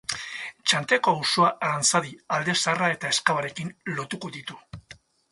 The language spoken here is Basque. Txantreako auzoa Aranzadi, Alde Zaharra eta Ezkabarekin lotuko ditu.